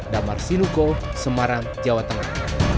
damar sinuko semarang jawa tengah